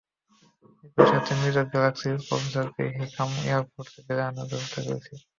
একই সাথে মৃত গ্যালাক্সির প্রফেসরকে হিক্যাম এয়ারফোর্স বেজে আনার ব্যবস্থা করছি।